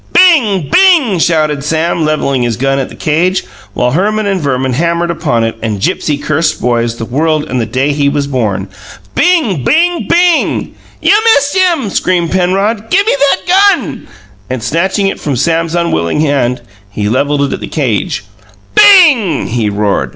"Bing! Bing!" shouted Sam, levelling his gun at the cage, while Herman and Verman hammered upon it, and Gipsy cursed boys, the world and the day he was born. "Bing! Bing! Bing!" "You missed him!" screamed Penrod. "Give me that gun!" And snatching it from Sam's unwilling hand, he levelled it at the cage. "BING!" he roared.